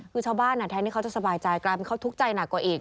คือชาวบ้านแทนที่เขาจะสบายใจกลายเป็นเขาทุกข์ใจหนักกว่าอีก